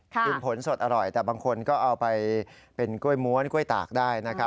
กินผลสดอร่อยแต่บางคนก็เอาไปเป็นกล้วยม้วนกล้วยตากได้นะครับ